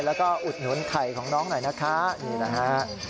แล้วก็อุดหนุนไข่ของน้องหน่อยนะคะนี่นะฮะ